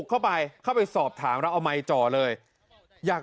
และผ่านแย่นเข้าข้างเขากบริสติและศอบสถาน์